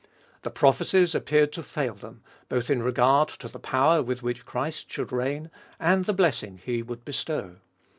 The prophecies appeared to fail them, both in regard to the power with which Christ should reign, and the blessing He would bestow.